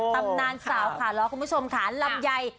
ตำนานสาวขาล้อคุณผู้ชมค่ะลำไย